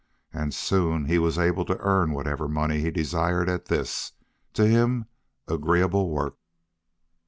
And soon he was able to earn whatever money he desired at this, to him, agreeable work.